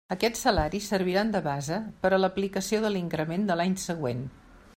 Aquests salaris serviran de base per a l'aplicació de l'increment de l'any següent.